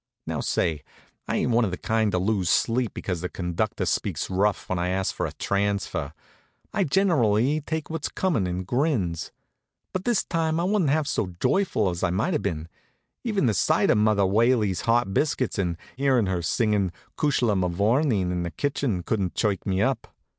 Now, say, I ain't one of the kind to lose sleep because the conductor speaks rough when I asks for a transfer. I generally takes what's comin' and grins. But this time I wa'n't half so joyful as I might have been. Even the sight of Mother Whaley's hot biscuits and hearin' her singin' "Cushla Mavourneen" in the kitchen couldn't chirk me up.